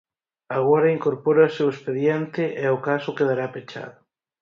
Agora incorpórase ao expediente e o caso quedará pechado.